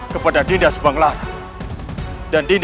kepada dinda subang lara dan dinda